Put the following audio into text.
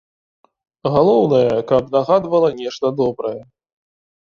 Галоўнае, каб нагадвала нешта добрае.